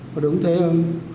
có đúng thế không